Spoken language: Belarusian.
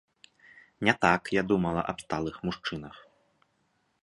Не так я думала аб сталых мужчынах.